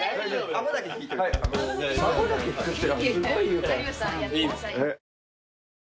顎だけ引くってすごい言うから。